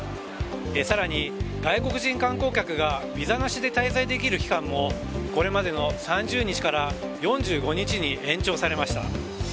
更に、外国人観光客がビザなしで滞在できる期間もこれまでの３０日から４５日に延長されました。